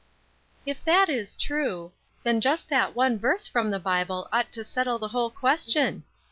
"If that is true, then just that one verse from the Bible ought to settle the whole question."